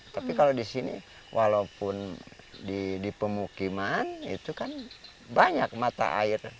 tapi kalau di sini walaupun di pemukiman itu kan banyak mata air